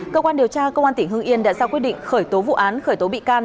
cơ quan điều tra cơ quan tỉnh hương yên đã ra quyết định khởi tố vụ án khởi tố bị can